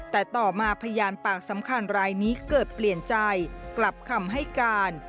แต่ต่อมาพยานปากสำคัญรายนี้เกิดเปลี่ยนใจกลับคำให้การ